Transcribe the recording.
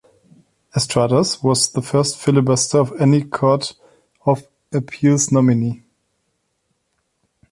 Estrada's was the first filibuster of any court of appeals nominee.